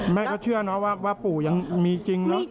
แม่ก็เชื่อนะว่าปู่ยังมีจริง